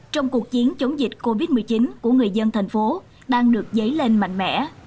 trong cuộc chiến chống dịch covid một mươi chín của người dân thành phố đang được dấy lên mạnh mẽ